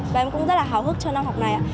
và em cũng rất là hào hức cho năm học này ạ